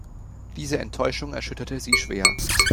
Diese Enttäuschung erschütterte sie schwer.